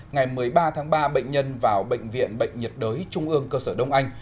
ngày một mươi ba tháng ba bệnh nhân vào bệnh viện bệnh nhiệt đới trung ương cơ sở đông anh